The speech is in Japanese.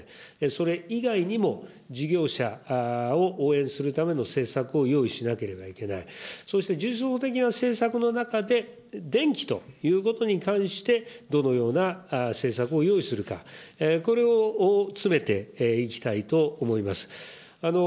それ以外にも、事業者を応援するための政策を用意しなければいけない、そうして、重層的な政策のもとで、電気ということに関して、どのような政策を用意するか、これを詰めていきたいと思います。